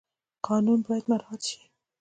قانون باید مراعات شي